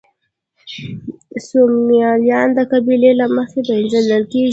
سومالیان د قبیلې له مخې پېژندل کېږي.